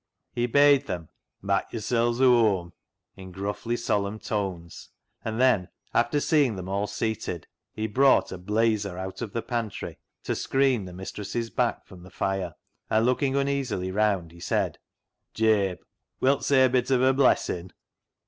He bade them " mak' yo'rsels a' whoam " in gruffly solemn tones, and then, after seeing them all seated, he brought a " blazer " out of the pantry to screen the mistress's back from the fire, and, looking uneasily round, he said —" Jabe, wilt' say a bit of a blessin' ?